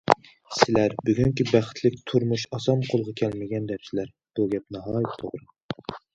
سىلەر بۈگۈنكى بەختلىك تۇرمۇش ئاسان قولغا كەلمىگەن، دەپسىلەر، بۇ گەپ ناھايىتى توغرا.